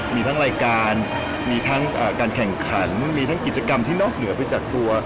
มีทั้งรายการมีทั้งการแข่งขันมีทั้งกิจกรรมที่นอกเหนือไปจากตัว